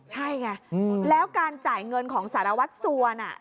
ใช่ไงแล้วการจ่ายเงินของสารวัตรสัวน่ะ